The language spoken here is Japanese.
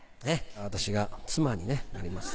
私が妻になります。